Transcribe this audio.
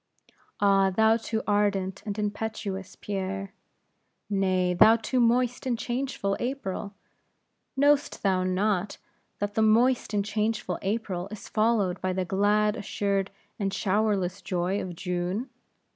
"Ah! thou too ardent and impetuous Pierre!" "Nay, thou too moist and changeful April! know'st thou not, that the moist and changeful April is followed by the glad, assured, and showerless joy of June?